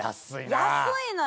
安いのよ。